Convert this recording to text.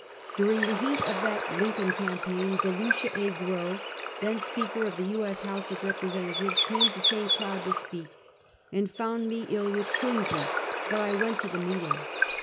During the heat of that Lincoln campaign, Galusha A. Grow, then Speaker of the U. S. House of Represen tatives, came to St, Cloud to speak, and found me ill with quinsy ; but I went to the meeting.